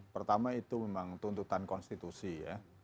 pertama itu memang tuntutan konstitusi ya